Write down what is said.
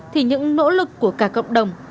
thì những nỗ lực của cả cộng đồng